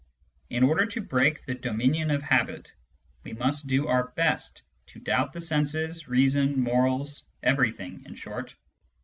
In order to break the dominion of habit, we must do our best to doubt the senses, reason, morals, everything in short.